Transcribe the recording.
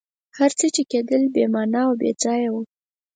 هر څه چي کېدل بي معنی او بېځایه وه.